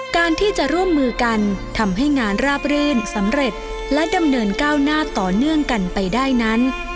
การที่จะร่วมมือกันทำให้งานราบรื่นสำเร็จและดำเนินก้าวหน้าต่อเนื่องกันไปได้นั้น